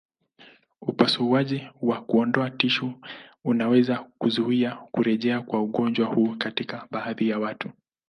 Upasuaji wa kuondoa tishu unaweza kuzuia kurejea kwa ugonjwa huu katika baadhi ya watu.